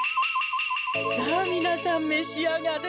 さあみなさんめしあがれ。